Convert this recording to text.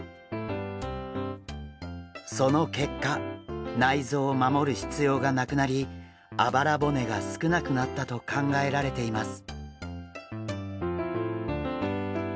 その結果内臓を守る必要がなくなりあばら骨が少なくなったと考えられています。